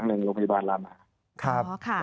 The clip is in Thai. ไปคุยอีกครั้งหนึ่งโรงพยาบาลราหมา